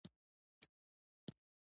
ځینې یې وختي پاڅېدلي او سخت کار کوي.